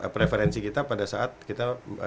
preferensi kita pada saat kita